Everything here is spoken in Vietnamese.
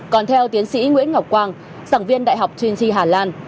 còn theo tiến sĩ nguyễn ngọc quang sản viên đại học trinity hà lan